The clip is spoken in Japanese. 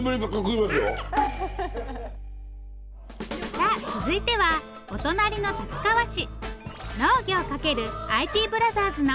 さあ続いてはお隣の立川市。